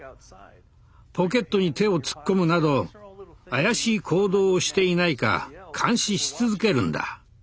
ポケットに手を突っ込むなど怪しい行動をしていないか監視し続けるんだ。